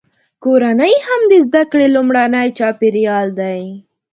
کورنۍ هم د زده کړې لومړنی چاپیریال دی.